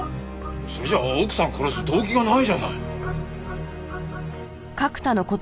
それじゃあ奥さん殺す動機がないじゃない。